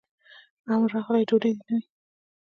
امن راغلی ډوډۍ دي نه وي